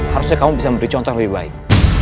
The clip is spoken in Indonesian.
harusnya kamu bisa memberi contoh yang lebih baik